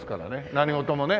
何事もね。